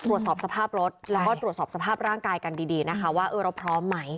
ตรวจสอบสภาพรถแล้วก็ตรวจสอบสภาพร่างกายกันดีนะคะว่าเราพร้อมไหม